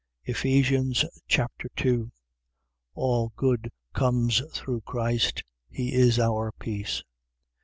Ephesians Chapter 2 All our good comes through Christ. He is our peace.